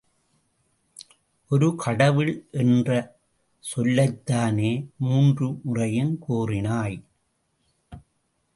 ஒரு கடவுள் என்ற சொல்லைத்தானே மூன்று முறையும் கூறினாய்.